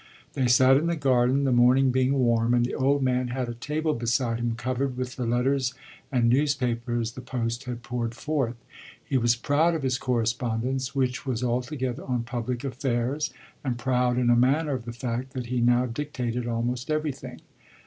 They sat in the garden, the morning being warm, and the old man had a table beside him covered with the letters and newspapers the post had poured forth. He was proud of his correspondence, which was altogether on public affairs, and proud in a manner of the fact that he now dictated almost everything.